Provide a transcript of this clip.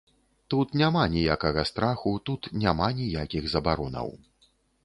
Тут няма ніякага страху, тут няма ніякіх забаронаў.